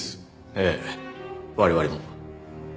ええ我々も。